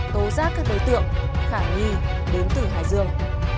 tố giác các đối tượng khả nghi đến từ hải dương